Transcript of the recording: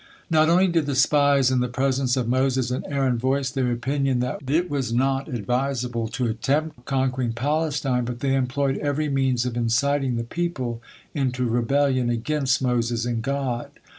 Not only did the spies in the presence of Moses and Aaron voice their opinion that is was not advisable to attempt conquering Palestine, but they employed every means of inciting the people into rebellion against Moses and God.